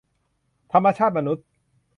ธรรมชาติมนุษย์